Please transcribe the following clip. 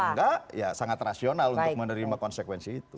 enggak ya sangat rasional untuk menerima konsekuensi itu